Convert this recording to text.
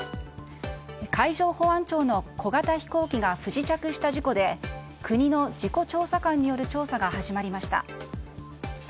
海上保安庁の小型飛行機が不時着した事故で国の事故調査官による調査が始まりました。